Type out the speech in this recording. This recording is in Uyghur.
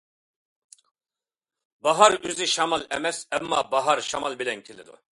باھار ئۆزى شامال ئەمەس، ئەمما باھار شامال بىلەن كېلىدۇ.